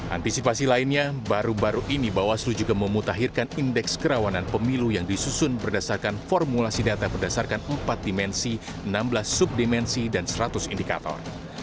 antisipasi lainnya baru baru ini bawaslu juga memutahirkan indeks kerawanan pemilu yang disusun berdasarkan formulasi data berdasarkan empat dimensi enam belas subdimensi dan seratus indikator